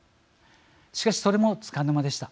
しかし、それもつかの間でした。